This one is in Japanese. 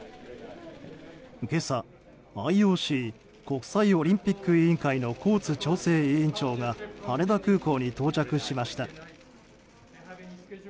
今朝、ＩＯＣ・国際オリンピック委員会のコーツ調整委員長が羽田空港に到着しました。